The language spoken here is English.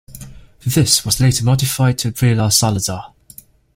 This was later modified to Vila Salazar.